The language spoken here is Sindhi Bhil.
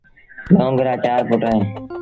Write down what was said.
لونگ رآ چآر پُٽ اهيݩ۔